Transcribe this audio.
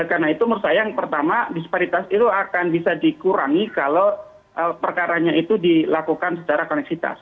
karena itu menurut saya yang pertama disparitas itu akan bisa dikurangi kalau perkaranya itu dilakukan secara koneksitas